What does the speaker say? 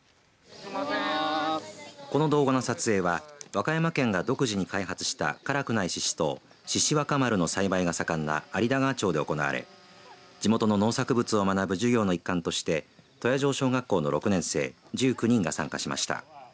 この動画の撮影は和歌山県が独自に開発した辛くないししとうししわかまるの栽培が盛んな有田川町で行われ地元の農作物を学ぶ授業の一環として鳥屋城小学校の６年生１９人が参加しました。